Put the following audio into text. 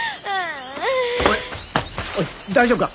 おい大丈夫か！？